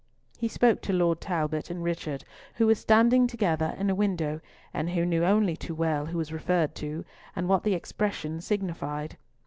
He spoke to Lord Talbot and Richard, who were standing together in a window, and who knew only too well who was referred to, and what the expression signified.